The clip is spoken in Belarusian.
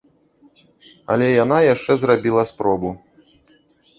Але яна яшчэ зрабіла спробу.